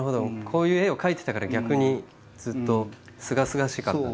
こういう絵を描いてたから逆にずっとすがすがしかった。